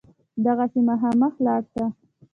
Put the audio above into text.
دغسې مخامخ لاړ شه.